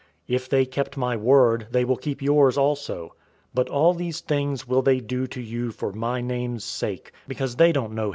If they kept my word, they will keep yours also. 015:021 But all these things will they do to you for my name's sake, because they don't know him who sent me.